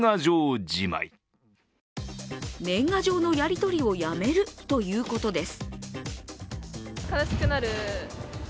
年賀状のやり取りをやめるということです。